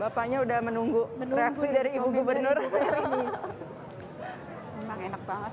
hai bapaknya udah menunggu menunggu dari ibu gubernur ini enak banget